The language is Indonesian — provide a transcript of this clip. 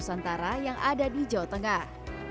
ada di jawa tengah